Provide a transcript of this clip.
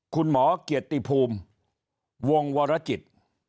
คุณหมอเกียรติภูมิวงวรจิต